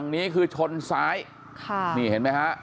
นี้คือชนซ้ายค่ะนี่เห็นไหมฮะ